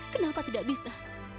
kenapa tidak bisa